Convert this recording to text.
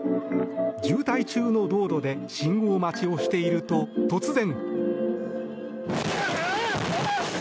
渋滞中の道路で信号待ちをしていると突然。